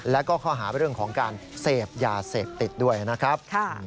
แล้วก็ข้อหาเรื่องของการเสพยาเสพติดด้วยนะครับ